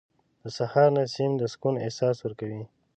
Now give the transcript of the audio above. • د سهار نسیم د سکون احساس ورکوي.